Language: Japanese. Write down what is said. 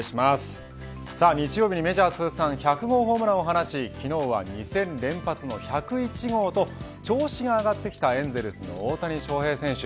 日曜日に、メジャー通算１００号ホームランを放ち昨日は２戦連発の１０１号と調子が上がってきたエンゼルスの大谷翔平選手。